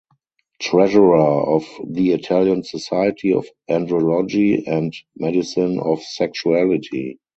Treasurer of the Italian Society of Andrology and Medicine of Sexuality.